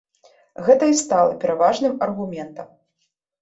Гэта і стала пераважным аргументам.